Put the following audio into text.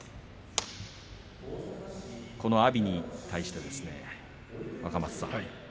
阿炎に対して、若松さん